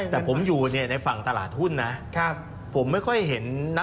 แต่ผมอยู่ในฝั่งตลาดหุ้นนะ